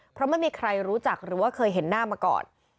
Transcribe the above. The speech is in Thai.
เพราะไม่มีใครรู้จักหรือว่าเคยเห็นหน้ามาก่อน